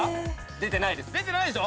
出てないでしょ？